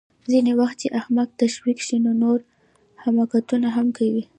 ځینې وخت چې احمق تشویق شي نو نور حماقتونه هم کوي